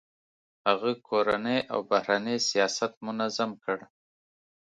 هغه کورنی او بهرنی سیاست منظم کړ.